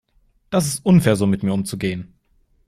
Das ist unfair, so mit mir umzugehen.